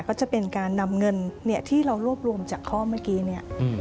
ก็จะเป็นการนำเงินเนี่ยที่เรารวบรวมจากข้อเมื่อกี้เนี่ย